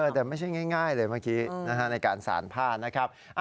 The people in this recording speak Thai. แต่ไม่ใช่ง่ายเลยเมื่อกี้ในการสารผ้านะครับ